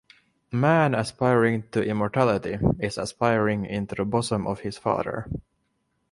Man aspiring to immortality is aspiring into the Bosom of his father.